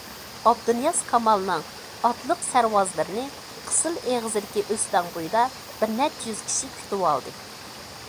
ئابدۇنىياز كامالنىڭ ئاتلىق سەرۋازلىرىنى قىسىل ئېغىزىدىكى ئۆستەڭ بويىدا بىرنەچچە يۈز كىشى كۈتۈۋالدى.